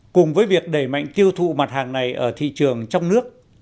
cùng với việc đẩy mạnh tiêu thụ mặt hàng này ở thị trường trong nước